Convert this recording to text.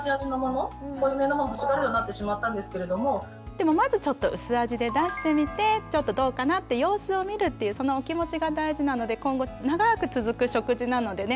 でもまずちょっと薄味で出してみてちょっとどうかなって様子を見るっていうそのお気持ちが大事なので今後長く続く食事なのでね